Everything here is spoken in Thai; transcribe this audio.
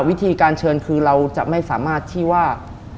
วิธีการเชิญคือเราจะไม่สามารถที่ว่า